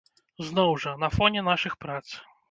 Зноў жа, на фоне нашых прац.